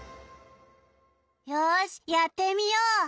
よしやってみよう。